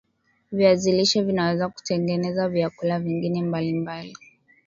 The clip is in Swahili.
Viazi lishe vinaweza kutengeneza vyakula vingine mbali mbali